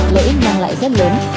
lợi ích mang lại rất lớn